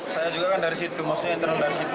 saya juga kan dari situ maksudnya internal dari situ